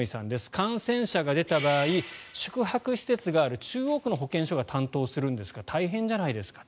感染者が出た場合宿泊施設がある中央区の保健所が担当するんですが大変じゃないですか。